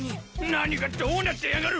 何がどうなってやがる！